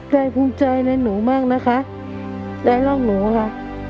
ภูมิใจในหนูมากนะคะได้รักหนูค่ะ